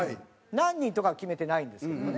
何人とかは決めてないんですけどもね。